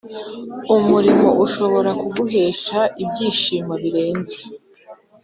umurimo ushobora kuguhesha ibyishimo birenze.